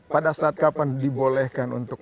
pada saat kapan dibolehkan untuk